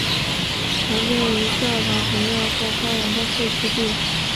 常见于教堂庭院或花园的废弃地。